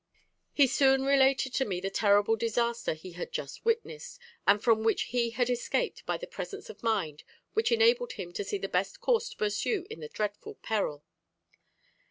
"He soon related to me the terrible disaster he had just witnessed, and from which he had escaped by the presence of mind which enabled him to see the best course to pursue in the dreadful peril.